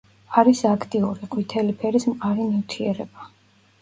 არის აქტიური, ყვითელი ფერის მყარი ნივთიერება.